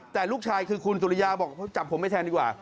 แต่ลูกชายคือคุณสุริยาบอกจับผมไปแทนดีกว่า